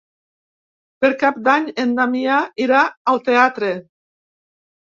Per Cap d'Any en Damià irà al teatre.